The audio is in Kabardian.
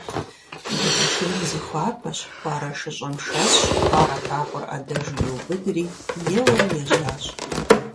Дыгъэ Шырым зихуапэщ, хуарэ шыщӀэм шэсщ, хуарэ хакӀуэр Ӏэдэжу иубыдри, еуэри ежьащ.